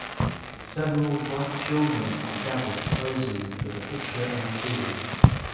Several black children are gathered posing for the picture in a field.